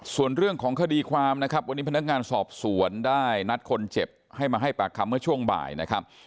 ส่วนเรื่องของคดีความนะครับวันนี้พนักงานสอบสวนได้นัดคนเจ็บให้มาให้ปากคำเมื่อช่วงบ่ายนะครับ